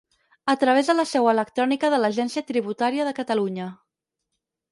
A través de la seu electrònica de l'Agència Tributària de Catalunya.